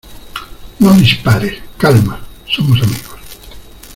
¡ No dispares! Calma. somos amigos .